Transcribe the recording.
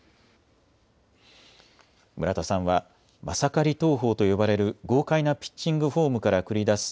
村田さんはマサカリ投法と呼ばれる豪快なピッチングフォームから繰り出す